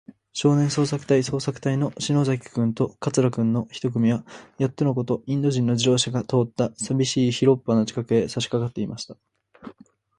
少年捜索隊そうさくたいの篠崎君と桂君の一組は、やっとのこと、インド人の自動車が通ったさびしい広っぱの近くへ、さしかかっていました。